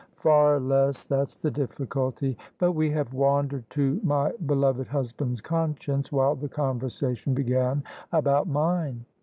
" Far less: that's the difiiculty! But we have wandered to my beloved husband's conscience, while the conversation began about mine."